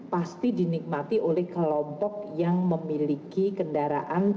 pasti dinikmati oleh kelompok yang memiliki kendaraan